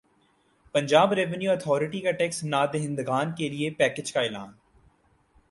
Punjab revenue authority کا tax نادہندگان کیلئے پیکج کا اعلان